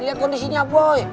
lihat kondisinya boy